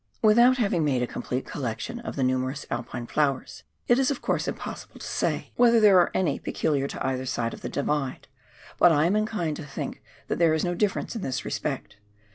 Without having made a complete collection of the numerous Alpine flowers, it is of course impossible to say whether there * See Appendix, Note IV. KAEANGARUA DISTRICT. 2G5 are any peculiar to either side of the Divide, but I am inclined to think that there is no difference in this respect.